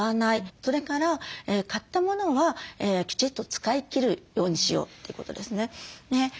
それから買ったものはきちっと使いきるようにしようってことですね。